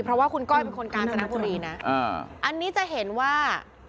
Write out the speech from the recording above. เพราะว่าคุณก้อยเป็นคนกาญจนบุรีนะอันนี้จะเห็นว่า